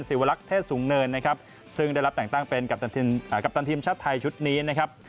ศิวลักษ์เทศสูงเนินนะครับซึ่งได้รับแต่งตั้งเป็นกัปตันกัปตันทีมชาติไทยชุดนี้นะครับ